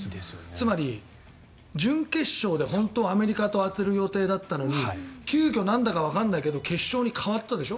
つまり、準決勝で本当はアメリカと当てる予定だったのに急きょ、なんだかわからないけど決勝に変わったでしょ。